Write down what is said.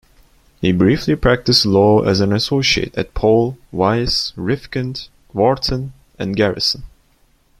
He briefly practiced law as an associate at Paul, Weiss, Rifkind, Wharton and Garrison.